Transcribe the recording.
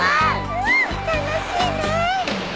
うん楽しいね。